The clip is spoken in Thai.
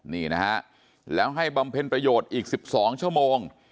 นี่นะฮะแล้วให้บำเพ็ญประโยชน์อีก๑๒ชั่วโมง